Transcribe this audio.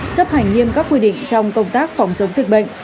chấp hành nghiêm các quy định trong công tác phòng chống dịch bệnh